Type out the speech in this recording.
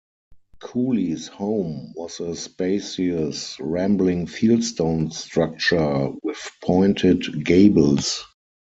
Cooley's home was a spacious, rambling fieldstone structure, with pointed gables.